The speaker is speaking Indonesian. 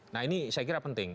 nah ini saya kira penting